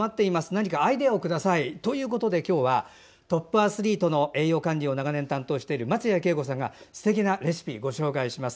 何かアイデアをくださいということで今日はトップアスリートの栄養管理を長年担当している松谷紀枝子さんがすてきなレシピをご紹介します。